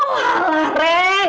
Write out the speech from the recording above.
oh allah ren